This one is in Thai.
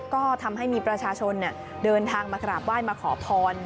ก็ทำให้มีประชาชนเดินทางมากราบไหว้มาขอพร